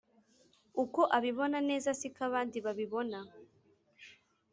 uko abibona neza siko abandi babibona